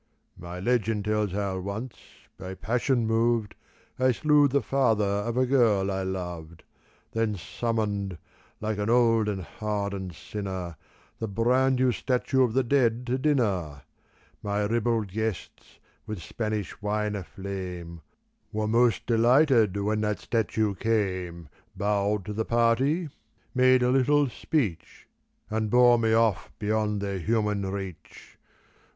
My legend tells how once, by passion moved, I slew the father of a girl I loved. Then summoned — like an old and hardened sinner The brand new statue of the dead to dinner. My ribald guests, with Spanish wine aflame, Were most dehghted when the statue came, 190 Bowed to the party, made a little speech, And bore me off beyond their human reach.